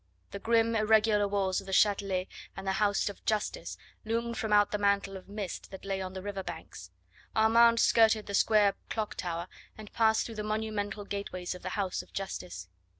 The grim, irregular walls of the Chatelet and the house of Justice loomed from out the mantle of mist that lay on the river banks. Armand skirted the square clock tower, and passed through the monumental gateways of the house of Justice.